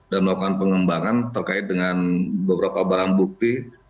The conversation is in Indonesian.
dan melakukan pengembangan terkait dengan beberapa barang bukti